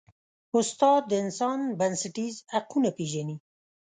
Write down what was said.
استاد د انسان بنسټیز حقونه پېژني.